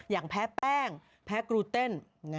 อย่างแพ้แป้งแพ้กลูเต้น